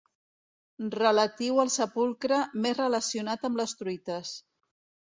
Relatiu al sepulcre més relacionat amb les truites.